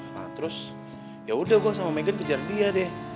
nah terus yaudah gue sama megan kejar dia deh